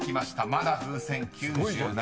［まだ風船９７。